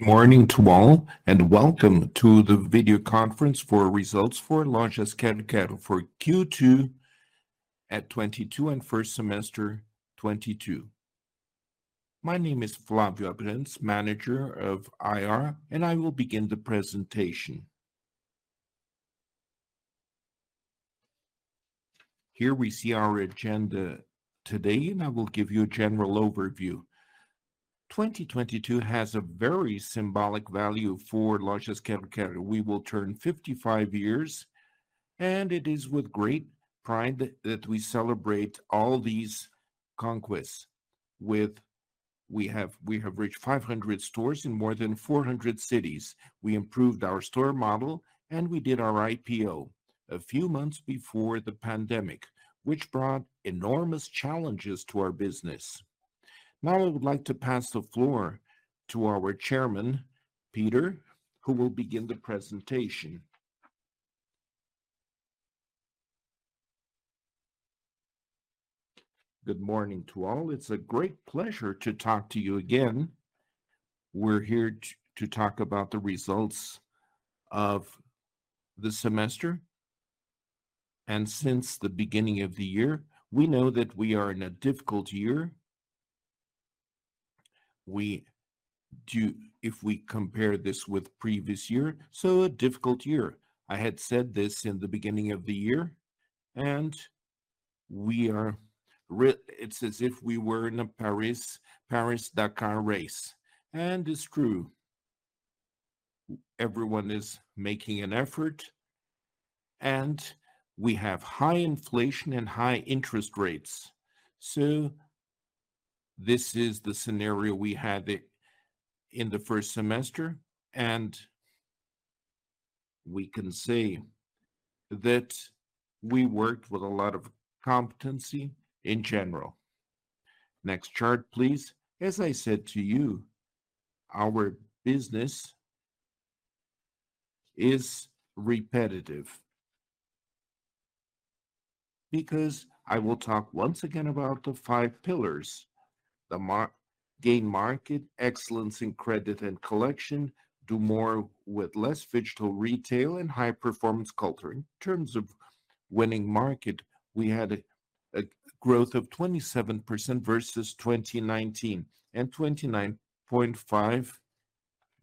Morning to all, and welcome to the video conference for results for Lojas Quero-Quero for Q2 2022 and First Semester 2022. My name is Flávio Abrantes, Manager of IR, and I will begin the presentation. Here we see our agenda today, and I will give you a general overview. 2022 has a very symbolic value for Lojas Quero-Quero. We will turn 55 years, and it is with great pride that we celebrate all these conquests. We have reached 500 stores in more than 400 cities. We improved our store model, and we did our IPO a few months before the pandemic, which brought enormous challenges to our business. Now I would like to pass the floor to our chairman, Peter, who will begin the presentation. Good morning to all. It's a great pleasure to talk to you again. We're here to talk about the results of the semester and since the beginning of the year. We know that we are in a difficult year. If we compare this with previous year, so a difficult year. I had said this in the beginning of the year. It's as if we were in a Paris-Dakar Race and this crew. Everyone is making an effort, and we have high inflation and high interest rates. This is the scenario we had it in the first semester, and we can say that we worked with a lot of competency in general. Next chart, please. As I said to you, our business is repetitive because I will talk once again about the five pillars. The gaining market, excellence in credit and collection, do more with less phygital retail and high-performance culture. In terms of winning market, we had a growth of 27% versus 2019 and 29.5%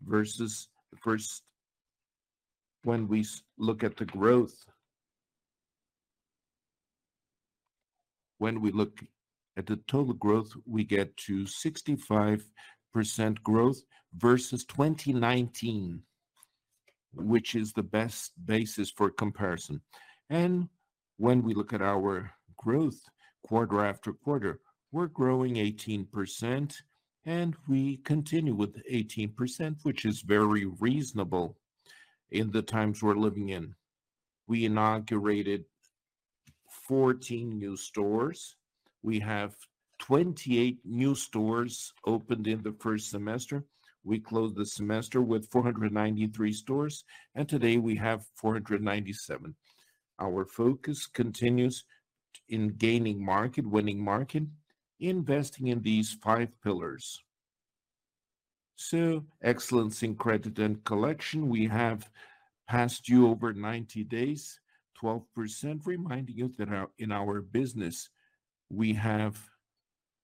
versus first. When we look at the growth, when we look at the total growth, we get to 65% growth versus 2019, which is the best basis for comparison. When we look at our growth quarter after quarter, we're growing 18% and we continue with 18%, which is very reasonable in the times we're living in. We inaugurated 14 new stores. We have 28 new stores opened in the first semester. We closed the semester with 493 stores, and today we have 497. Our focus continues in gaining market, winning market, investing in these five pillars. Excellence in credit and collection. We have past due over 90 days, 12%, reminding you that in our business we have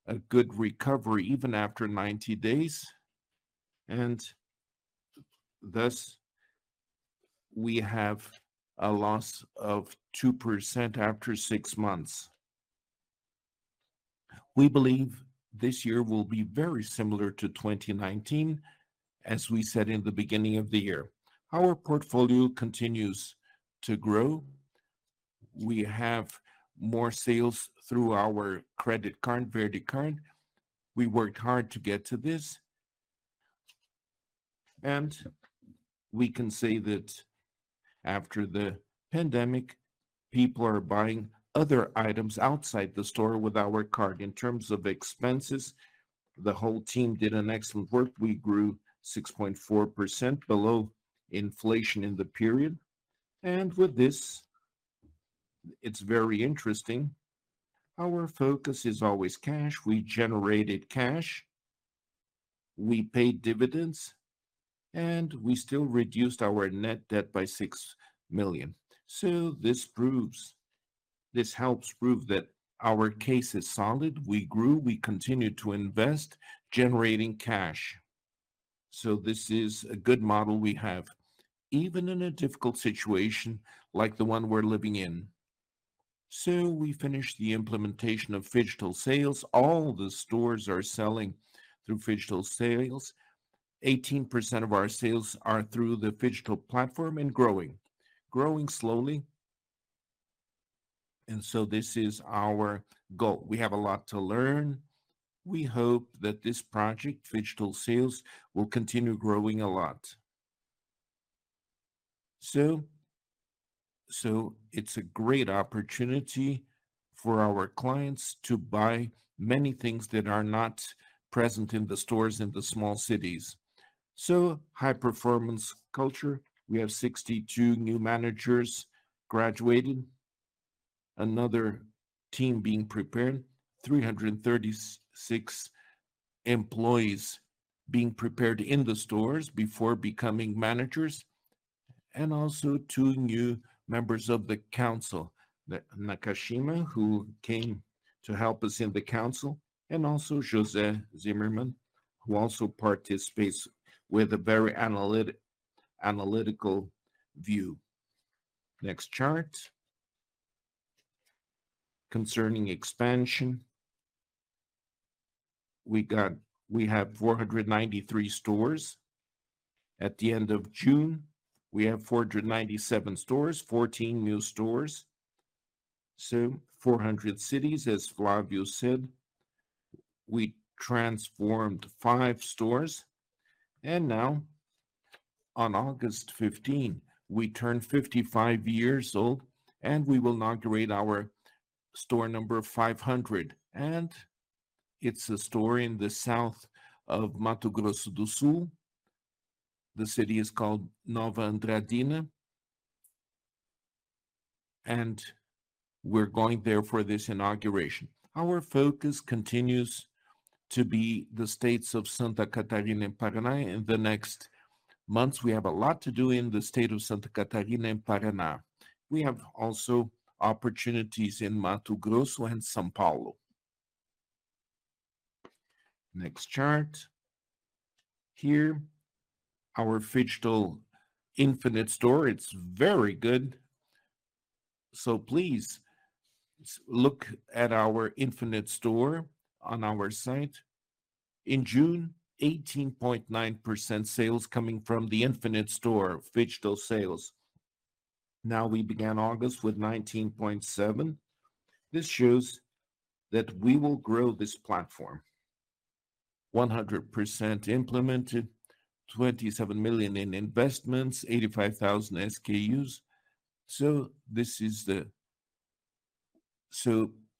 a good recovery even after 90 days, and thus we have a loss of 2% after six months. We believe this year will be very similar to 2019 as we said in the beginning of the year. Our portfolio continues to grow. We have more sales through our credit card, VerdeCard. We worked hard to get to this. We can say that after the pandemic, people are buying other items outside the store with our card. In terms of expenses, the whole team did an excellent work. We grew 6.4% below inflation in the period. With this, it's very interesting, our focus is always cash. We generated cash, we paid dividends, and we still reduced our net debt by 6 million. This proves... This helps prove that our case is solid. We grew, we continued to invest, generating cash. This is a good model we have, even in a difficult situation like the one we're living in. We finished the implementation of phygital sales. All the stores are selling through phygital sales. 18% of our sales are through the phygital platform and growing. Growing slowly, and this is our goal. We have a lot to learn. We hope that this project, phygital sales, will continue growing a lot. It's a great opportunity for our clients to buy many things that are not present in the stores in the small cities. High-performance culture. We have 62 new managers graduating. Another team being prepared, 336 employees being prepared in the stores before becoming managers and also two new members of the council. Nakashima, who came to help us in the council, and also José Zimmermann, who also participates with a very analytical view. Next chart. Concerning expansion, we have 493 stores. At the end of June, we have 497 stores, 14 new stores. 400 cities, as Flávio said. We transformed five stores. Now on August 15, we turn 55 years old, and we will inaugurate our store number 500, and it's a store in the south of Mato Grosso do Sul. The city is called Nova Andradina, and we're going there for this inauguration. Our focus continues to be the states of Santa Catarina and Paraná. In the next months, we have a lot to do in the state of Santa Catarina and Paraná. We have also opportunities in Mato Grosso and São Paulo. Next chart. Here, our phygital infinite store. It's very good. Please look at our infinite store on our site. In June, 18.9% sales coming from the infinite store, phygital sales. Now we began August with 19.7%. This shows that we will grow this platform. 100% implemented, 27 million in investments, 85,000 SKUs. This is the.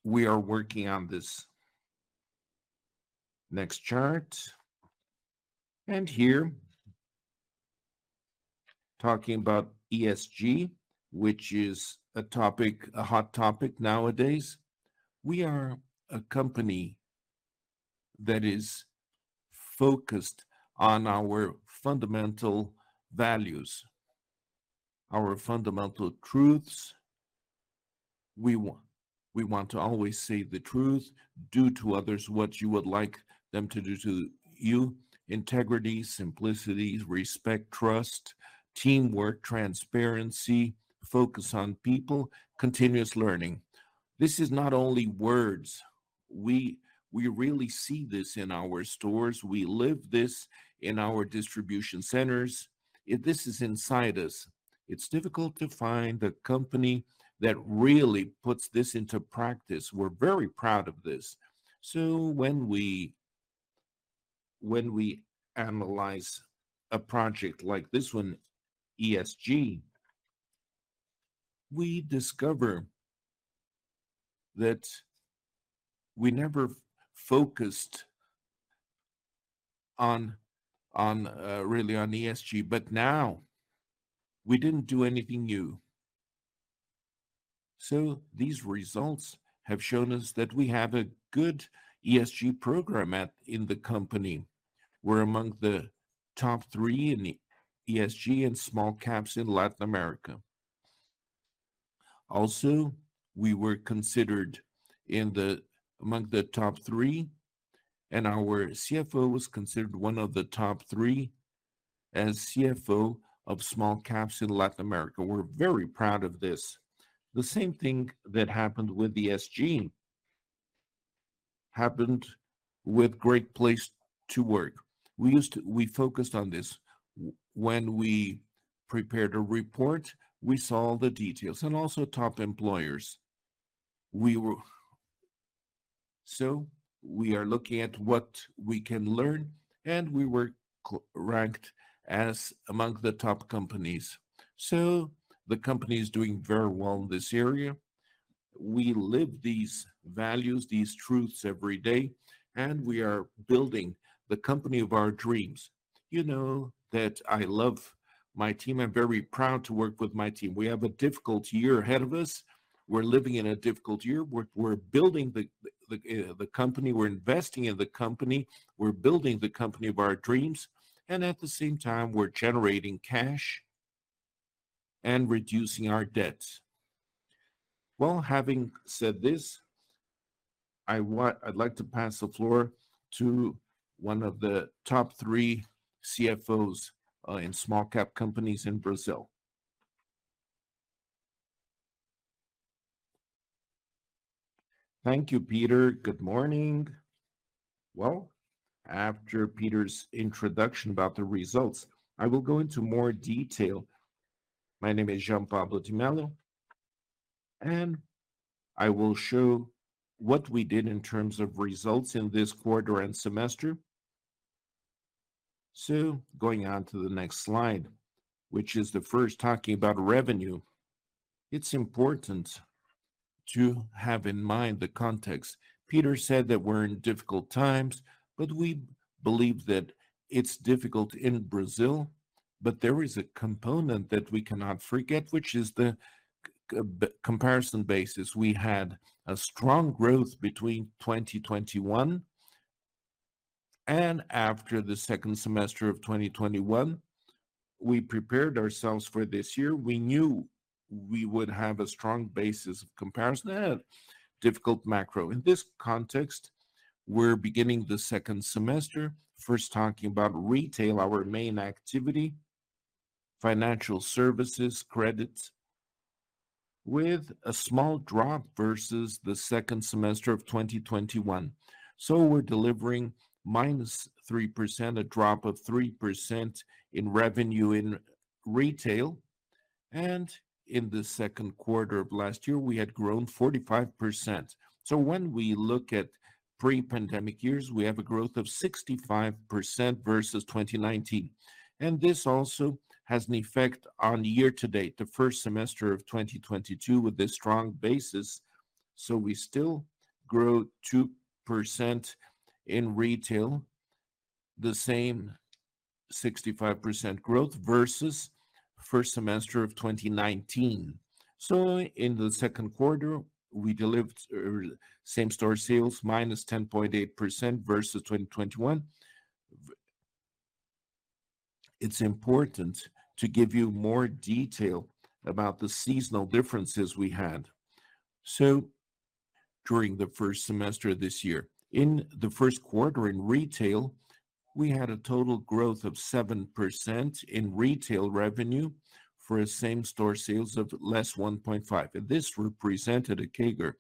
We are working on this. Next chart. Here, talking about ESG, which is a topic, a hot topic nowadays. We are a company that is focused on our fundamental values, our fundamental truths. We want to always say the truth. Do to others what you would like them to do to you. Integrity, simplicity, respect, trust, teamwork, transparency, focus on people, continuous learning. This is not only words. We really see this in our stores. We live this in our distribution centers. This is inside us. It's difficult to find a company that really puts this into practice. We're very proud of this. When we analyze a project like this one, ESG, we discover that we never focused really on ESG, but now we didn't do anything new. These results have shown us that we have a good ESG program in the company. We're among the top three in ESG and small caps in Latin America. Also, we were considered among the top three, and our CFO was considered one of the top three as CFO of small caps in Latin America. We're very proud of this. The same thing that happened with ESG happened with Great Place to Work. We focused on this. When we prepared a report, we saw the details and also Top Employers. We are looking at what we can learn, and we were ranked as among the top companies. The company is doing very well in this area. We live these values, these truths every day, and we are building the company of our dreams. You know that I love my team. I'm very proud to work with my team. We have a difficult year ahead of us. We're living in a difficult year. We're building the company. We're investing in the company. We're building the company of our dreams, and at the same time, we're generating cash and reducing our debts. Having said this, I'd like to pass the floor to one of the top three CFOs in small-cap companies in Brazil. Thank you, Peter. Good morning. Well, after Peter's introduction about the results, I will go into more detail. My name is Jean Pablo de Mello, and I will show what we did in terms of results in this quarter and semester. Going on to the next slide, which is the first talking about revenue, it's important to have in mind the context. Peter said that we're in difficult times, but we believe that it's difficult in Brazil. There is a component that we cannot forget, which is the comparison basis. We had a strong growth between 2021 and after the second semester of 2021. We prepared ourselves for this year. We knew we would have a strong basis of comparison and difficult macro. In this context, we're beginning the second semester, first talking about retail, our main activity, financial services, credits, with a small drop versus the second semester of 2021. We're delivering -3%, a drop of 3% in revenue in retail. In the second quarter of last year, we had grown 45%. When we look at pre-pandemic years, we have a growth of 65% versus 2019. This also has an effect on year-to-date, the first semester of 2022, with this strong basis. We still grow 2% in retail, the same 65% growth versus first semester of 2019. In the second quarter, we delivered same-store sales -10.8% versus 2021. It's important to give you more detail about the seasonal differences we had. During the first semester of this year, in the first quarter in retail, we had a total growth of 7% in retail revenue for a same-store sales of -1.5%. This represented a CAGR,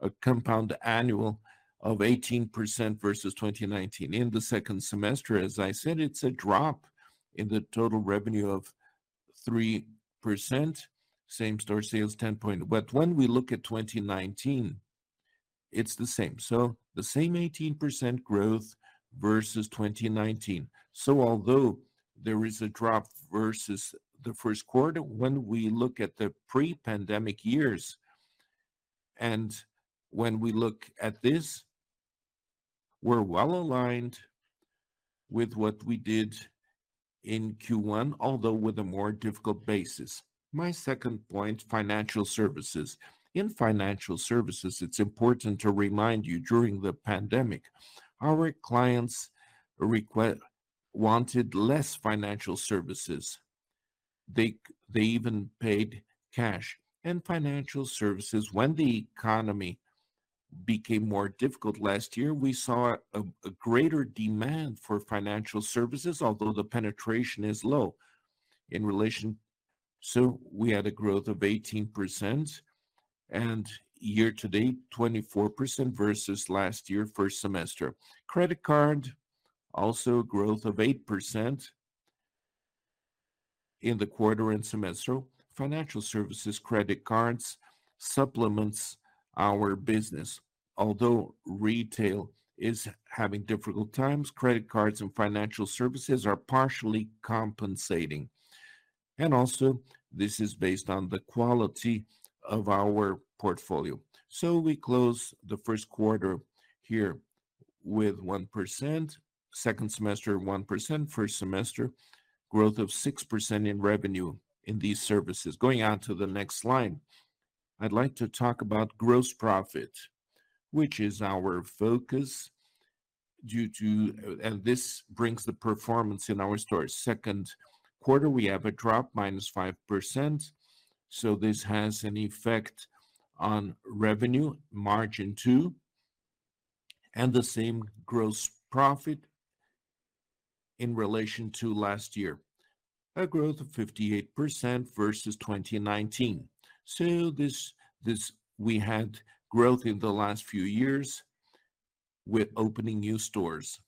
a compound annual of 18% versus 2019. In the second semester, as I said, it's a drop in the total revenue of 3%, same-store sales 10 point. When we look at 2019, it's the same. The same 18% growth versus 2019. Although there is a drop versus the first quarter, when we look at the pre-pandemic years and when we look at this, we're well aligned with what we did in Q1, although with a more difficult basis. My second point, financial services. In financial services, it's important to remind you, during the pandemic, our clients wanted less financial services. They even paid cash. In financial services, when the economy became more difficult last year, we saw a greater demand for financial services, although the penetration is low in relation. We had a growth of 18% and year-to-date, 24% versus last year, first semester. Credit card, also growth of 8% in the quarter and semester. Financial services, credit cards supplements our business. Although retail is having difficult times, credit cards and financial services are partially compensating. This is based on the quality of our portfolio. We close the first quarter here with 1%, second semester, 1%, first semester, growth of 6% in revenue in these services. Going on to the next line, I'd like to talk about gross profit, which is our focus due to, and this brings the performance in our stores. Second quarter, we have a drop -5%, so this has an effect on revenue margin too, and the same gross profit in relation to last year, a growth of 58% versus 2019. This, we had growth in the last few years with opening new stores.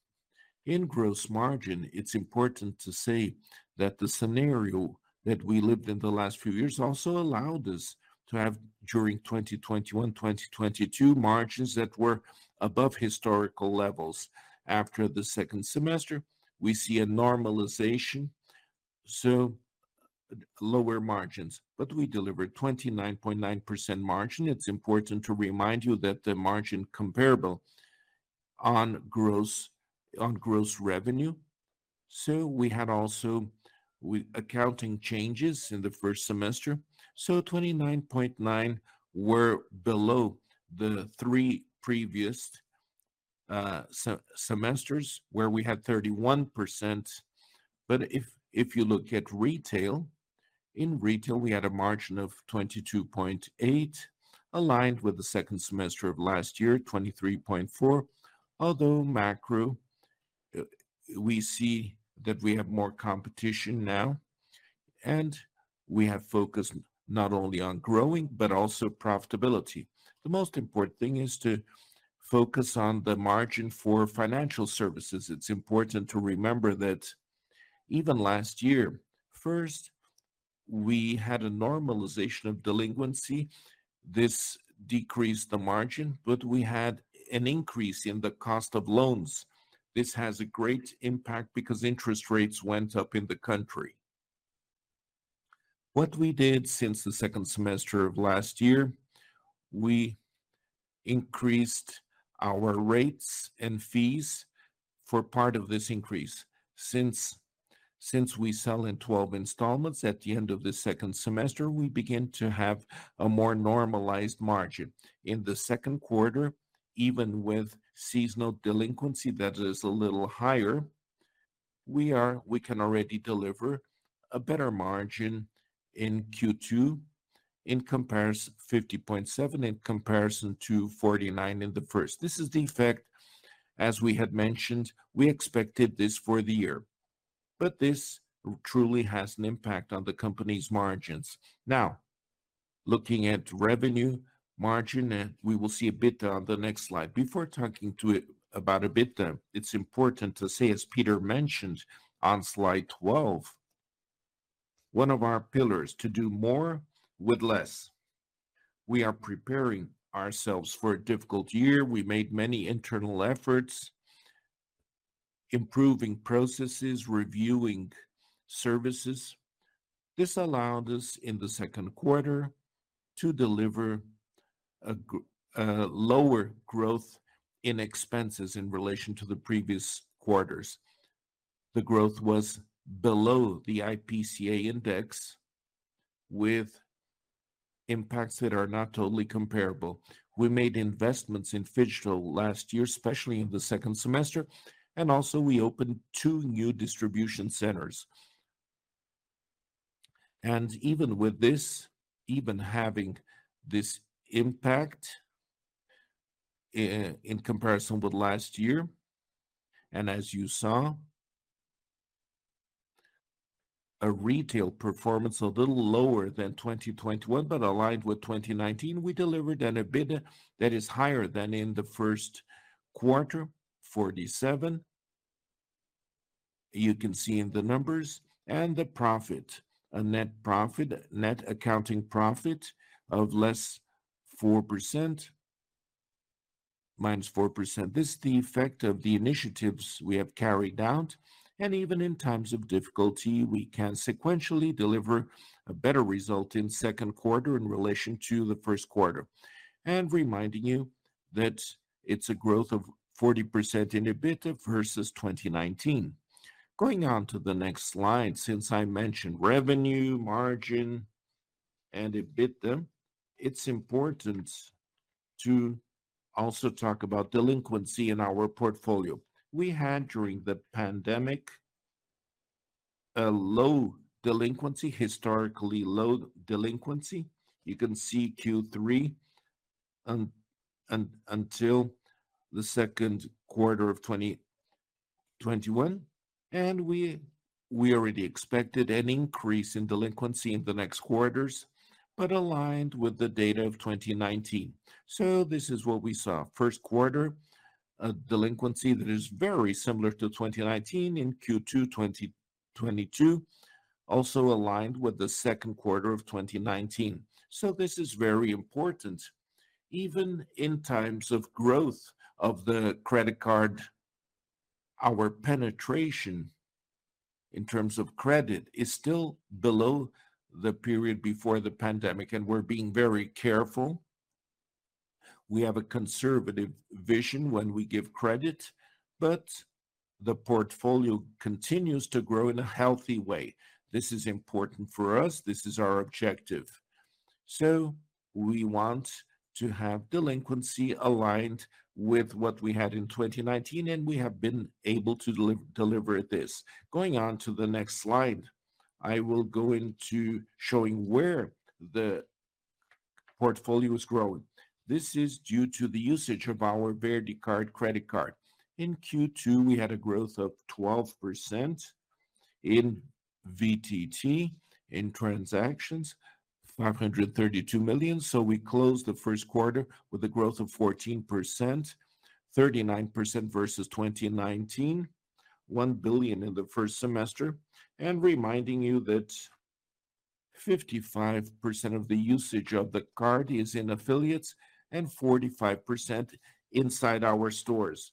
In gross margin, it's important to say that the scenario that we lived in the last few years also allowed us to have, during 2021, 2022, margins that were above historical levels. After the second semester, we see a normalization, so lower margins. We delivered 29.9% margin. It's important to remind you that the margin comparable on gross, on gross revenue. We had also accounting changes in the first semester. 29.9% were below the three previous semesters, where we had 31%. If you look at retail in retail, we had a margin of 22.8%, aligned with the second semester of last year, 23.4%. Although macro, we see that we have more competition now, and we have focused not only on growing but also profitability. The most important thing is to focus on the margin for financial services. It's important to remember that even last year, first, we had a normalization of delinquency. This decreased the margin, but we had an increase in the cost of loans. This has a great impact because interest rates went up in the country. What we did since the second semester of last year, we increased our rates and fees for part of this increase. Since we sell in 12 installments, at the end of the second semester, we begin to have a more normalized margin. In the second quarter, even with seasonal delinquency that is a little higher, we can already deliver a better margin in Q2 in comparison 50.7% in comparison to 49% in the first. This is the effect as we had mentioned, we expected this for the year. This truly has an impact on the company's margins. Now, looking at revenue margin, and we will see EBITDA on the next slide. Before talking about EBITDA, it's important to say, as Peter mentioned on slide 12, one of our pillars to do more with less. We are preparing ourselves for a difficult year. We made many internal efforts, improving processes, reviewing services. This allowed us in the second quarter to deliver a lower growth in expenses in relation to the previous quarters. The growth was below the IPCA index, with impacts that are not totally comparable. We made investments in phygital last year, especially in the second semester, and also we opened two new distribution centers. Even with this, even having this impact in comparison with last year, and as you saw, a retail performance a little lower than 2021, but aligned with 2019, we delivered an EBITDA that is higher than in the first quarter, 2017. You can see in the numbers and the profit, a net profit, net accounting profit of less 4%, -4%. This the effect of the initiatives we have carried out, and even in times of difficulty, we can sequentially deliver a better result in second quarter in relation to the first quarter. Reminding you that it's a growth of 40% in EBITDA versus 2019. Going on to the next slide, since I mentioned revenue margin and EBITDA, it's important to also talk about delinquency in our portfolio. We had, during the pandemic, a low delinquency, historically low delinquency. You can see Q3 until the second quarter of 2021, and we already expected an increase in delinquency in the next quarters, but aligned with the data of 2019. This is what we saw. First quarter, a delinquency that is very similar to 2019 in Q2 2022, also aligned with the second quarter of 2019. This is very important. Even in times of growth of the credit card, our penetration in terms of credit is still below the period before the pandemic, and we're being very careful. We have a conservative vision when we give credit, but the portfolio continues to grow in a healthy way. This is important for us. This is our objective. We want to have delinquency aligned with what we had in 2019, and we have been able to deliver this. Going on to the next slide, I will go into showing where the portfolio is growing. This is due to the usage of our VerdeCard credit card. In Q2, we had a growth of 12% in TPV, in transactions, 532 million. We closed the first quarter with a growth of 14%, 39% versus 2019, 1 billion in the first semester. Reminding you that 55% of the usage of the card is in affiliates and 45% inside our stores.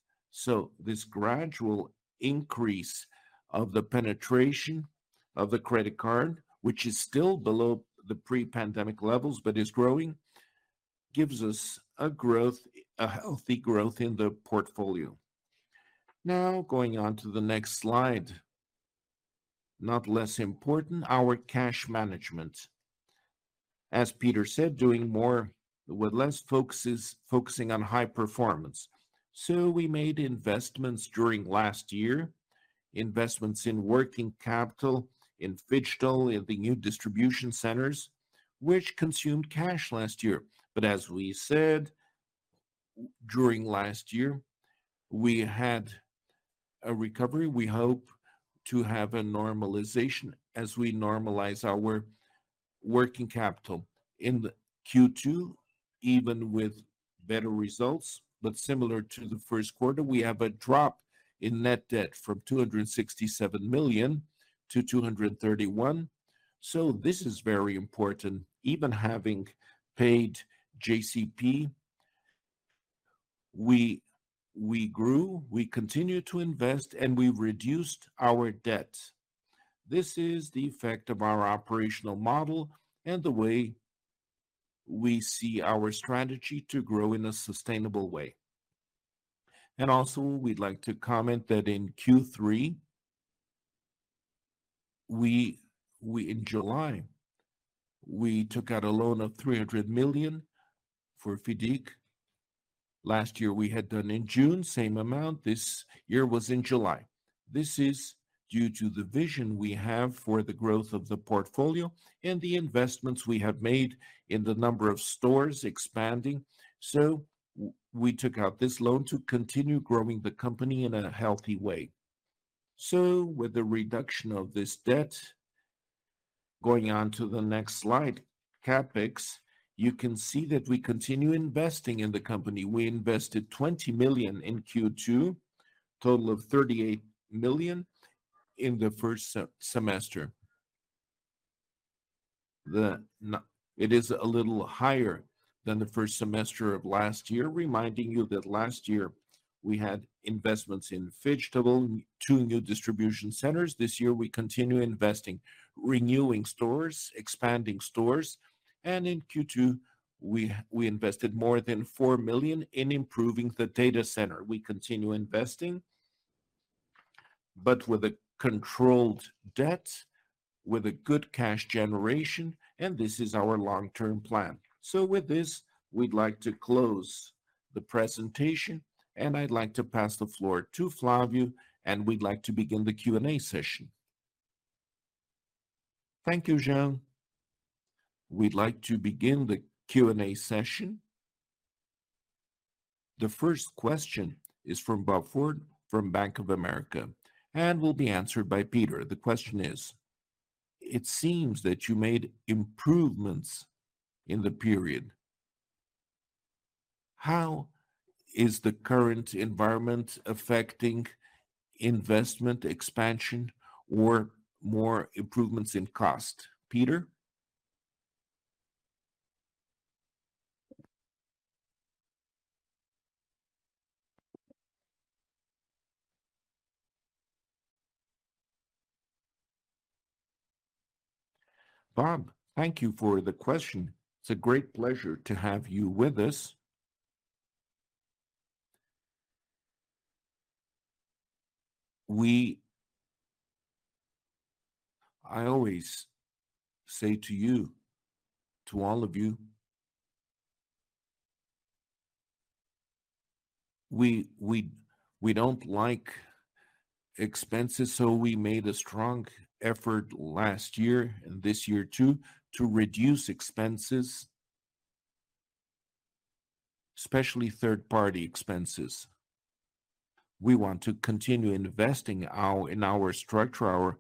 This gradual increase of the penetration of the credit card, which is still below the pre-pandemic levels, but is growing, gives us a growth, a healthy growth in the portfolio. Now, going on to the next slide, not less important, our cash management. As Peter said, doing more with less focusing on high performance. We made investments during last year, investments in working capital, in phygital, in the new distribution centers, which consumed cash last year. As we said, during last year, we had a recovery. We hope to have a normalization as we normalize our working capital. In Q2, even with better results, but similar to the first quarter, we have a drop in net debt from 267 million to 231 million. This is very important. Even having paid JCP. We grew, we continued to invest, and we reduced our debt. This is the effect of our operational model and the way we see our strategy to grow in a sustainable way. Also, we'd like to comment that in Q3, In July, we took out a loan of 300 million for FIDC. Last year, we had done in June, BRL 300 million. This year was in July. This is due to the vision we have for the growth of the portfolio and the investments we have made in the number of stores expanding. We took out this loan to continue growing the company in a healthy way. With the reduction of this debt, going on to the next slide, CapEx, you can see that we continue investing in the company. We invested 20 million in Q2, total of 38 million in the first semester. It is a little higher than the first semester of last year, reminding you that last year we had investments in VerdeCard, two new distribution centers. This year we continue investing, renewing stores, expanding stores, and in Q2, we invested more than 4 million in improving the data center. We continue investing, but with a controlled debt, with a good cash generation, and this is our long-term plan. With this, we'd like to close the presentation, and I'd like to pass the floor to Flávio, and we'd like to begin the Q&A session. Thank you, Jean. We'd like to begin the Q&A session. The first question is from Bob Ford from Bank of America and will be answered by Peter. The question is: It seems that you made improvements in the period. How is the current environment affecting investment expansion or more improvements in cost? Peter? Bob, thank you for the question. It's a great pleasure to have you with us. I always say to you, to all of you, we don't like expenses, so we made a strong effort last year, and this year too, to reduce expenses, especially third-party expenses. We want to continue investing in our structure,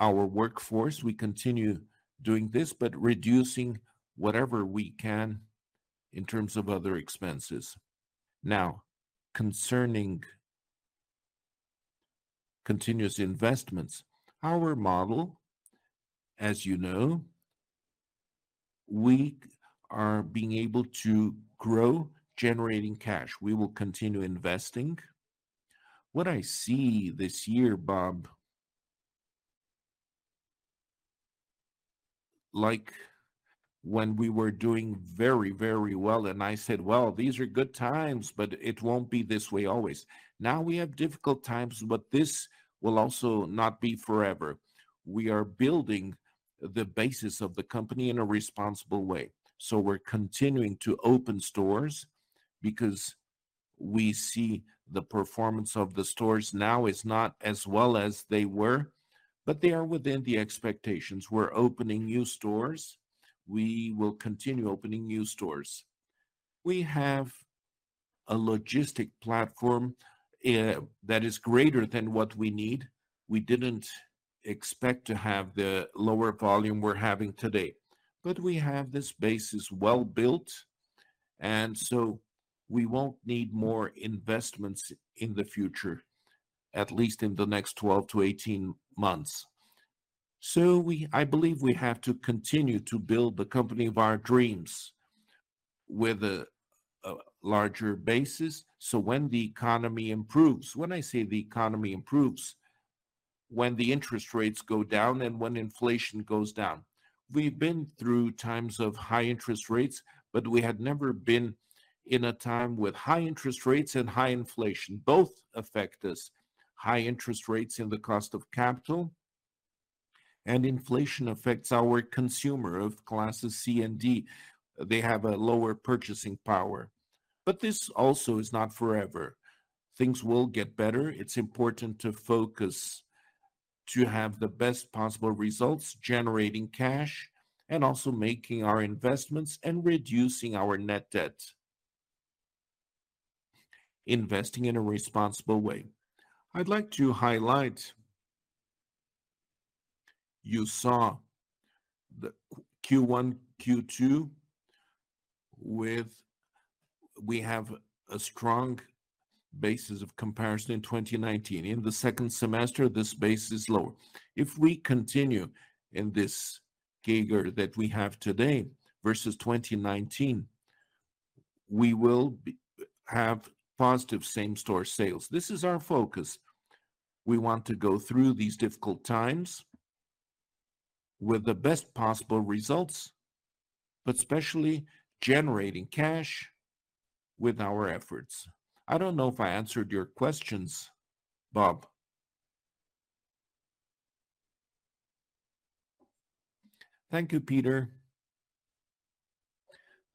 our workforce. We continue doing this, but reducing whatever we can in terms of other expenses. Now, concerning continuous investments, our model, as you know, we are being able to grow generating cash. We will continue investing. What I see this year, Bob, like when we were doing very, very well, and I said, "Well, these are good times, but it won't be this way always." Now we have difficult times, but this will also not be forever. We are building the basis of the company in a responsible way. We're continuing to open stores because we see the performance of the stores now is not as well as they were, but they are within the expectations. We're opening new stores. We will continue opening new stores. We have a logistics platform that is greater than what we need. We didn't expect to have the lower volume we're having today. We have this basis well built, and so we won't need more investments in the future, at least in the next 12-18 months. I believe we have to continue to build the company of our dreams with a larger basis, so when the economy improves. When I say the economy improves, when the interest rates go down and when inflation goes down. We've been through times of high interest rates, but we had never been in a time with high interest rates and high inflation. Both affect us. High interest rates in the cost of capital, and inflation affects our consumers of classes C and D. They have a lower purchasing power. This also is not forever. Things will get better. It's important to focus to have the best possible results, generating cash and also making our investments and reducing our net debt, investing in a responsible way. I'd like to highlight, you saw the Q1, Q2 with. We have a strong bases of comparison in 2019. In the second semester, this base is lower. If we continue in this gear that we have today versus 2019, we will have positive same-store sales. This is our focus. We want to go through these difficult times with the best possible results, but especially generating cash with our efforts. I don't know if I answered your questions, Bob. Thank you, Peter.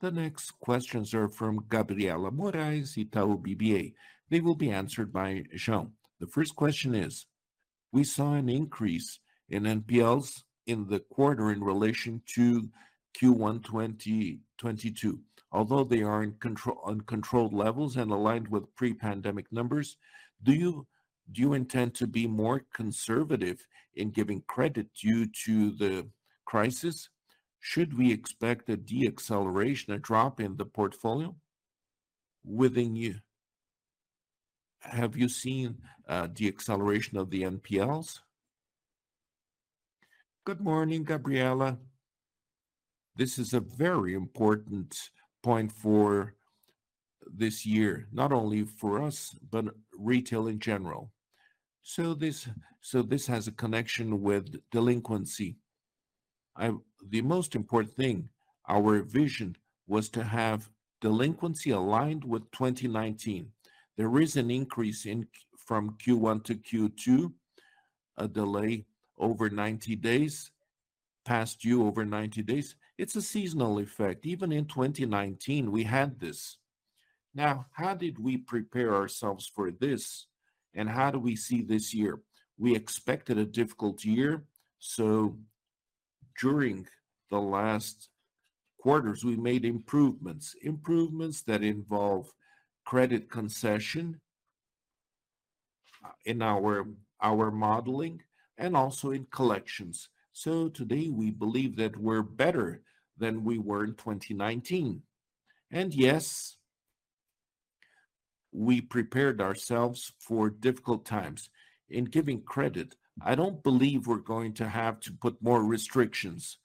The next questions are from Gabriela Morais, Itaú BBA. They will be answered by Jean. The first question is: We saw an increase in NPLs in the quarter in relation to Q1 2022. Although they are in control on controlled levels and aligned with pre-pandemic numbers, do you intend to be more conservative in giving credit due to the crisis? Should we expect a deceleration, a drop in the portfolio? Have you seen deceleration of the NPLs? Good morning, Gabriela. This is a very important point for this year, not only for us, but retail in general. This has a connection with delinquency. The most important thing, our vision was to have delinquency aligned with 2019. There is an increase from Q1 to Q2, a delay over 90 days, past due over 90 days. It's a seasonal effect. Even in 2019 we had this. Now, how did we prepare ourselves for this, and how do we see this year? We expected a difficult year, so during the last quarters, we made improvements. Improvements that involve credit concession in our modeling, and also in collections. Today we believe that we're better than we were in 2019. Yes, we prepared ourselves for difficult times. In giving credit, I don't believe we're going to have to put more restrictions.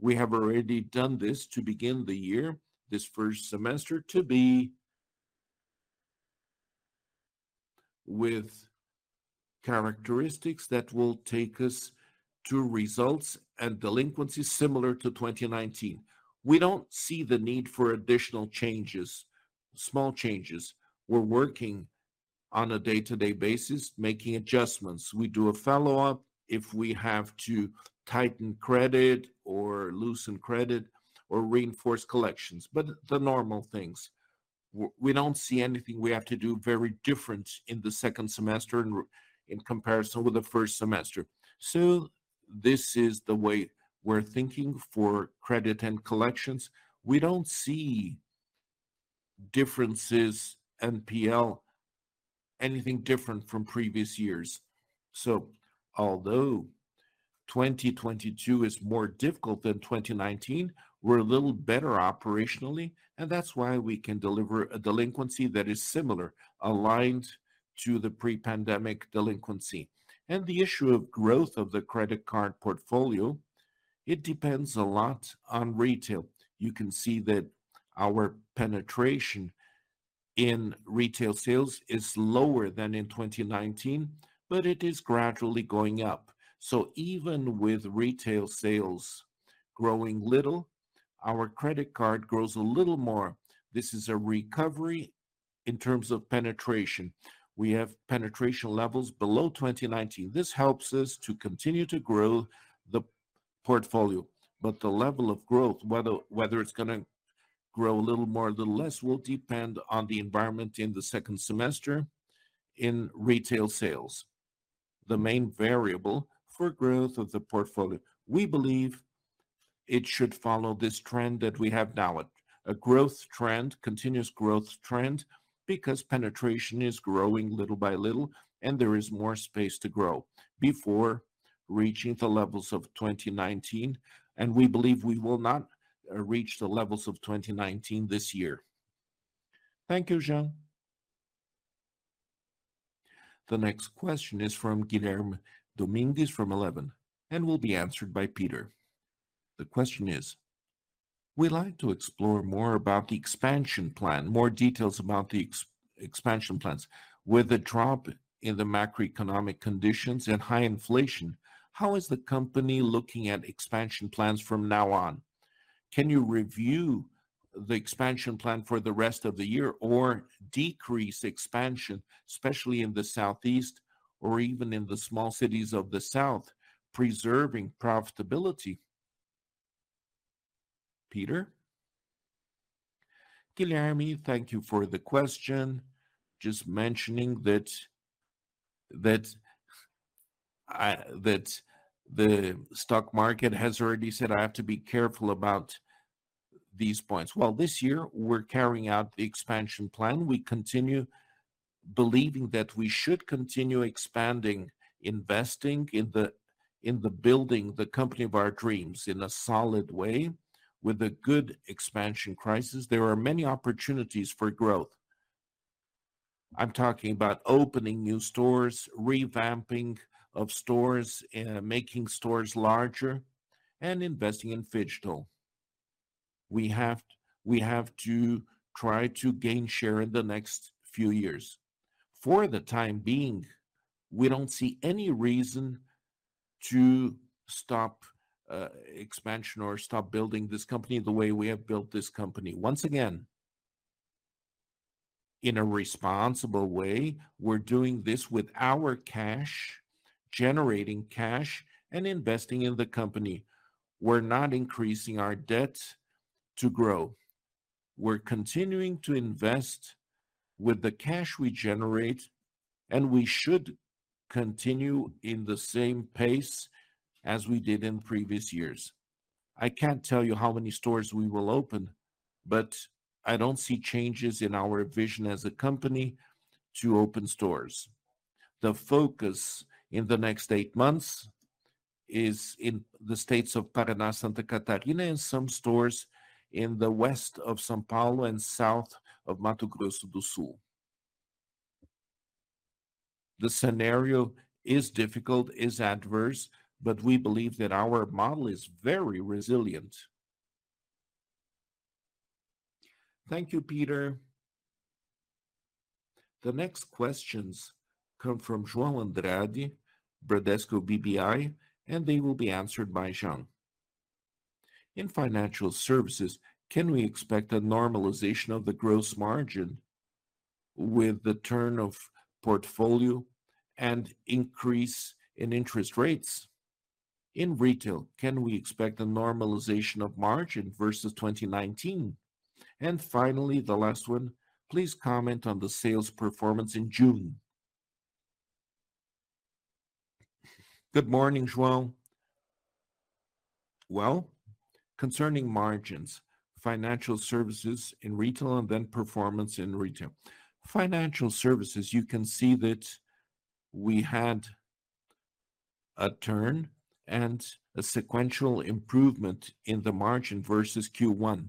We have already done this to begin the year, this first semester, to be with characteristics that will take us to results and delinquencies similar to 2019. We don't see the need for additional changes, small changes. We're working on a day-to-day basis, making adjustments. We do a follow-up if we have to tighten credit or loosen credit or reinforce collections. The normal things. We don't see anything we have to do very different in the second semester in comparison with the first semester. This is the way we're thinking for credit and collections. We don't see differences, NPL, anything different from previous years. Although 2022 is more difficult than 2019, we're a little better operationally, and that's why we can deliver a delinquency that is similar, aligned to the pre-pandemic delinquency. The issue of growth of the credit card portfolio, it depends a lot on retail. You can see that our penetration in retail sales is lower than in 2019, but it is gradually going up. Even with retail sales growing little, our credit card grows a little more. This is a recovery in terms of penetration. We have penetration levels below 2019. This helps us to continue to grow the portfolio. The level of growth, whether it's gonna grow a little more, a little less, will depend on the environment in the second semester in retail sales, the main variable for growth of the portfolio. We believe it should follow this trend that we have now, a growth trend, continuous growth trend, because penetration is growing little by little, and there is more space to grow before reaching the levels of 2019, and we believe we will not reach the levels of 2019 this year. Thank you, Jean. The next question is from Guilherme Domingues from Eleven and will be answered by Peter. The question is: We'd like to explore more about the expansion plan, more details about the expansion plans. With the drop in the macroeconomic conditions and high inflation, how is the company looking at expansion plans from now on? Can you review the expansion plan for the rest of the year or decrease expansion, especially in the southeast or even in the small cities of the south, preserving profitability? Peter? Guilherme, thank you for the question. Just mentioning that the stock market has already said I have to be careful about these points. Well, this year we're carrying out the expansion plan. We continue believing that we should continue expanding, investing in building the company of our dreams in a solid way with a good expansion. Crisis, there are many opportunities for growth. I'm talking about opening new stores, revamping of stores and making stores larger and investing in phygital. We have to try to gain share in the next few years. For the time being, we don't see any reason to stop expansion or stop building this company the way we have built this company. Once again, in a responsible way, we're doing this with our cash, generating cash and investing in the company. We're not increasing our debt to grow. We're continuing to invest with the cash we generate, and we should continue in the same pace as we did in previous years. I can't tell you how many stores we will open, but I don't see changes in our vision as a company to open stores. The focus in the next eight months is in the states of Paraná, Santa Catarina, and some stores in the west of São Paulo and south of Mato Grosso do Sul. The scenario is difficult, is adverse, but we believe that our model is very resilient. Thank you, Peter. The next questions come from João Andrade, Bradesco BBI, and they will be answered by Jean. In financial services, can we expect a normalization of the gross margin with the turn of portfolio and increase in interest rates? In retail, can we expect a normalization of margin versus 2019? Finally, the last one, please comment on the sales performance in June. Good morning, João. Well, concerning margins, financial services in retail and then performance in retail. Financial services, you can see that we had a turn and a sequential improvement in the margin versus Q1.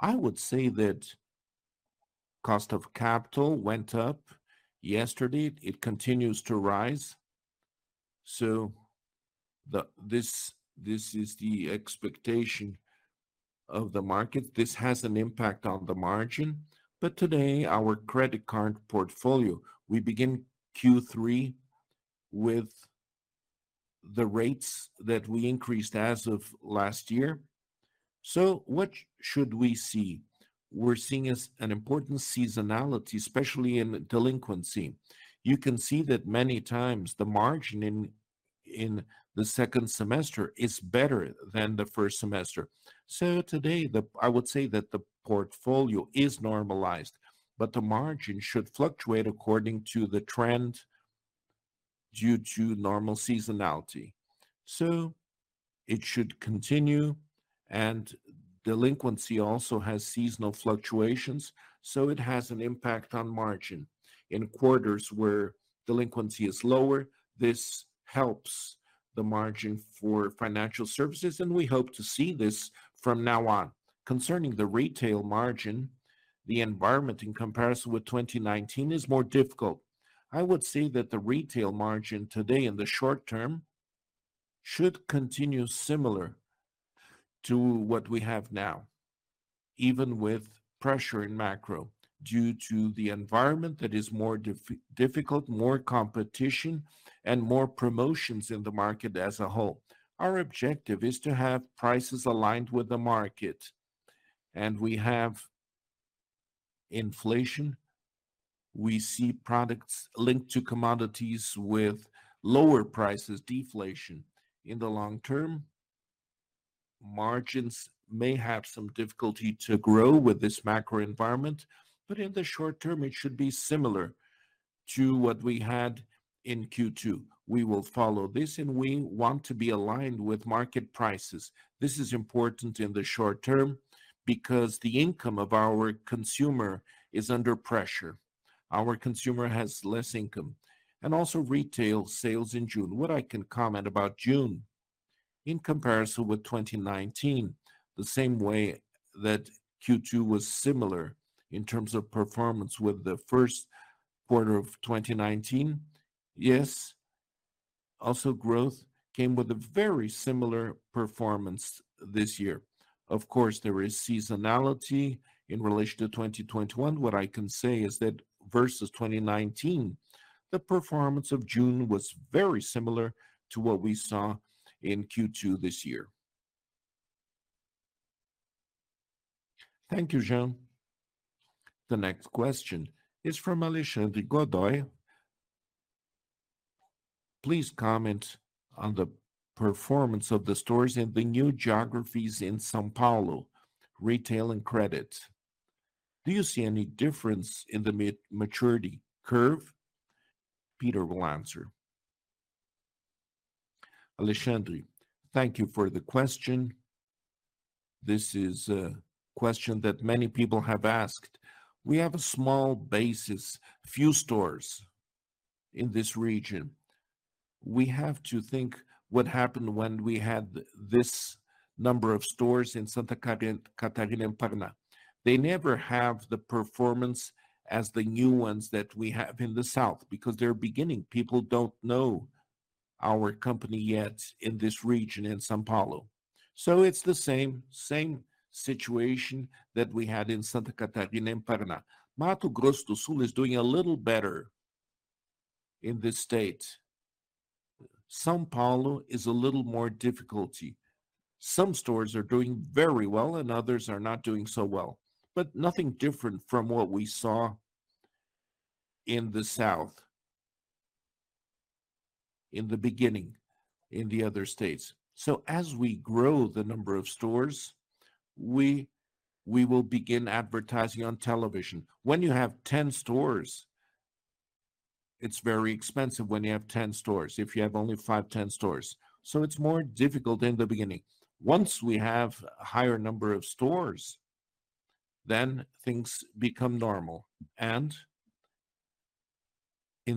I would say that cost of capital went up yesterday. It continues to rise, so This is the expectation of the market. This has an impact on the margin. Today, our credit card portfolio, we begin Q3 with the rates that we increased as of last year. What should we see? We're seeing is an important seasonality, especially in delinquency. You can see that many times the margin in the second semester is better than the first semester. Today I would say that the portfolio is normalized, but the margin should fluctuate according to the trend due to normal seasonality. It should continue. Delinquency also has seasonal fluctuations, so it has an impact on margin. In quarters where delinquency is lower, this helps the margin for financial services, and we hope to see this from now on. Concerning the retail margin, the environment in comparison with 2019 is more difficult. I would say that the retail margin today in the short term should continue similar to what we have now, even with pressure in macro, due to the environment that is more difficult, more competition and more promotions in the market as a whole. Our objective is to have prices aligned with the market, and we have inflation. We see products linked to commodities with lower prices, deflation. In the long term, margins may have some difficulty to grow with this macro environment, but in the short term it should be similar to what we had in Q2. We will follow this and we want to be aligned with market prices. This is important in the short term because the income of our consumer is under pressure. Our consumer has less income. Also retail sales in June. What I can comment about June in comparison with 2019, the same way that Q2 was similar in terms of performance with the first quarter of 2019, yes, also growth came with a very similar performance this year. Of course, there is seasonality in relation to 2021. What I can say is that versus 2019, the performance of June was very similar to what we saw in Q2 this year. Thank you, Jean. The next question is from Alexandre Godoy. Please comment on the performance of the stores in the new geographies in São Paulo, retail and credit. Do you see any difference in the mid maturity curve? Peter will answer. Alexandre, thank you for the question. This is a question that many people have asked. We have a small basis, few stores in this region. We have to think what happened when we had this number of stores in Santa Catarina and Paraná. They never have the performance as the new ones that we have in the south because they're beginning. People don't know our company yet in this region in São Paulo. It's the same situation that we had in Santa Catarina and Paraná. Mato Grosso do Sul is doing a little better in this state. São Paulo is a little more difficulty. Some stores are doing very well and others are not doing so well, but nothing different from what we saw in the south in the beginning in the other states. As we grow the number of stores, we will begin advertising on television. When you have 10 stores, it's very expensive when you have 10 stores, if you have only five, 10 stores. It's more difficult in the beginning. Once we have a higher number of stores, then things become normal. In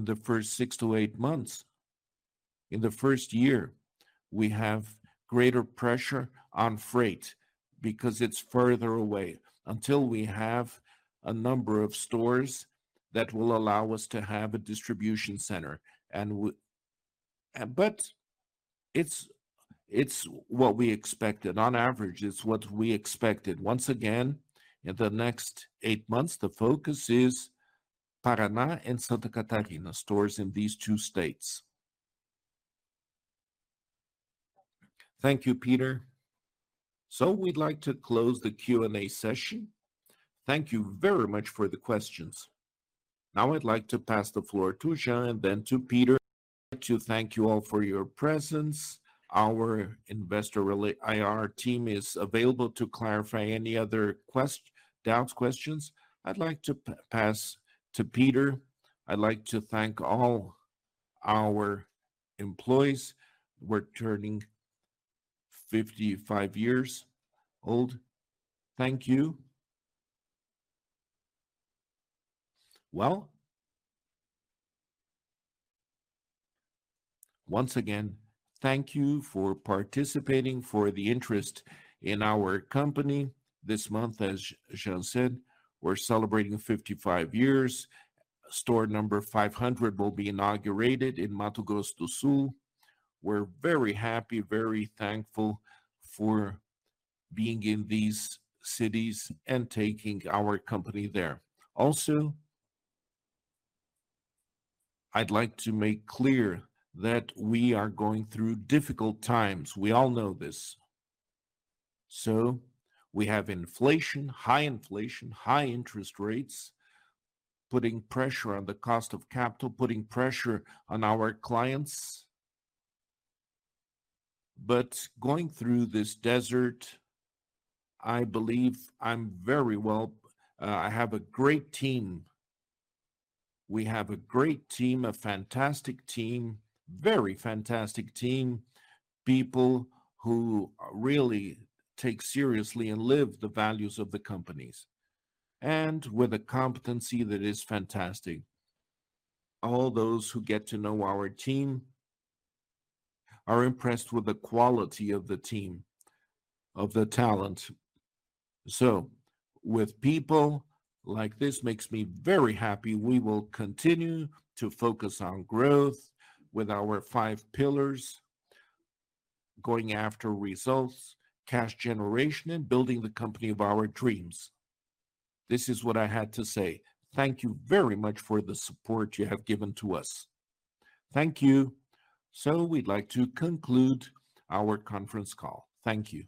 the first six to eight months, in the first year, we have greater pressure on freight because it's further away until we have a number of stores that will allow us to have a distribution center. It's what we expected. On average, it's what we expected. Once again, in the next eight months, the focus is Paraná and Santa Catarina, stores in these two states. Thank you, Peter. We'd like to close the Q&A session. Thank you very much for the questions. Now I'd like to pass the floor to Jean and then to Peter to thank you all for your presence. Our IR team is available to clarify any other doubts, questions. I'd like to pass to Peter. I'd like to thank all our employees. We're turning 55 years old. Thank you. Well, once again, thank you for participating, for the interest in our company. This month, as Jean said, we're celebrating 55 years. Store number 500 will be inaugurated in Mato Grosso do Sul. We're very happy, very thankful for being in these cities and taking our company there. Also, I'd like to make clear that we are going through difficult times. We all know this. We have inflation, high inflation, high interest rates putting pressure on the cost of capital, putting pressure on our clients. Going through this desert, I believe I'm very well. I have a great team. We have a great team, a fantastic team, very fantastic team, people who really take seriously and live the values of the companies and with a competency that is fantastic. All those who get to know our team are impressed with the quality of the team, of the talent. With people like this makes me very happy. We will continue to focus on growth with our five pillars, going after results, cash generation, and building the company of our dreams. This is what I had to say. Thank you very much for the support you have given to us. Thank you. We'd like to conclude our conference call. Thank you.